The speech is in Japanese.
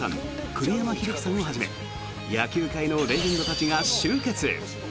栗山英樹さんをはじめ野球界のレジェンドたちが集結。